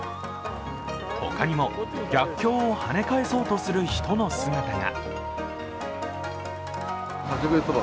他にも逆境をはね返そうとする人の姿が。